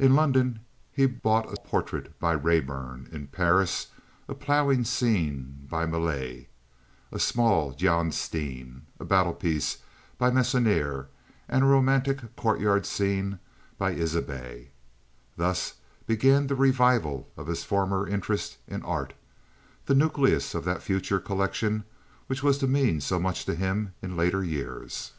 In London he bought a portrait by Raeburn; in Paris a plowing scene by Millet, a small Jan Steen, a battle piece by Meissonier, and a romantic courtyard scene by Isabey. Thus began the revival of his former interest in art; the nucleus of that future collection which was to mean so much to him in later years.